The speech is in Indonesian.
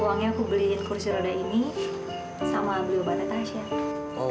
uangnya aku beliin kursi roda ini sama beli obatnya tasya